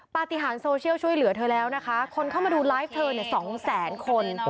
ปฏิหารโซเชียลช่วยเหลือเธอแล้วนะคะคนเข้ามาดูไลฟ์เธอสองแสนคน